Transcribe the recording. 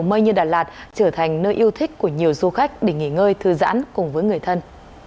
nơi như đà lạt trở thành nơi yêu thích của nhiều du khách để nghỉ ngơi thư giãn cùng với người thân